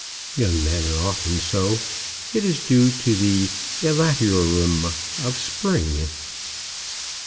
Young men are often so. It is due to the elaterium of spring.